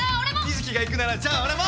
瑞稀が行くならじゃあ俺も！